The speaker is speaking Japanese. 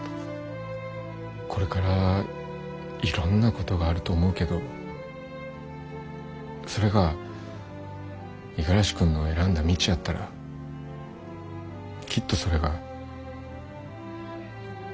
これからいろんなことがあると思うけどそれが五十嵐君の選んだ道やったらきっとそれが。